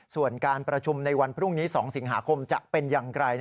ส่วนการประชุมในวันพรุ่งนี้๒สิงหาคมจะเป็นอย่างไร